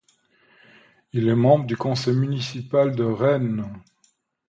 Il a été membre du conseil municipal de Rennes.